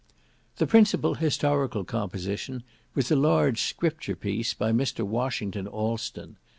The principal historical composition was a large scripture piece by Mr. Washington Alston.